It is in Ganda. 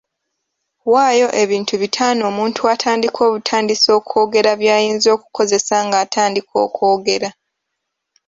Waayo ebintu bitaano omuntu atandika obutandisi okwogera by’ayinza okukozesa ng’atandika okwogera.